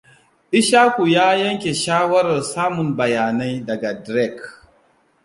Ishaku ya yanke shawarar samun bayanai daga Drake.